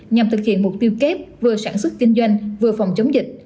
nhằm thực hiện mục tiêu kép vừa sản xuất kinh doanh vừa phòng chống dịch